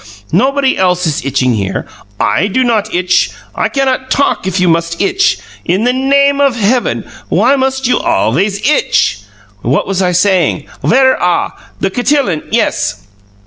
Nobody else is itching here! I do not itch! I cannot talk if you must itch! In the name of Heaven, why must you always itch? What was I saying? Where ah! the cotillon yes!